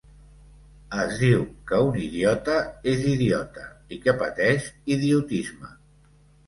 Es diu que un idiota és idiota i que pateix idiotisme.